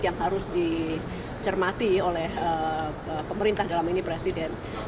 yang harus dicermati oleh pemerintah dalam ini presiden